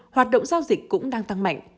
hoạt động giao dịch cũng đang tăng mạnh